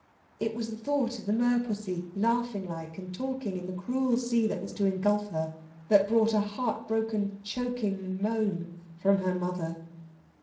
It was the thought of the merpussy laughing like and talking in the cruel sea that was to engulf her that brought a heart broken choking moan from her mother.